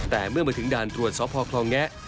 แต่เมื่อมาถึงด่านตรวจสพคลองแงะ